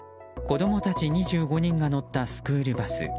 子供たち２５人が乗ったスクールバス。